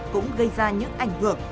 cũng gây ra những ảnh hưởng